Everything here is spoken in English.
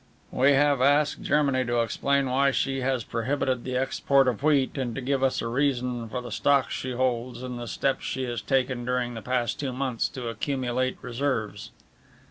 "We have asked Germany to explain why she has prohibited the export of wheat and to give us a reason for the stocks she holds and the steps she has taken during the past two months to accumulate reserves."